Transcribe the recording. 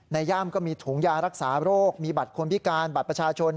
ย่ามก็มีถุงยารักษาโรคมีบัตรคนพิการบัตรประชาชน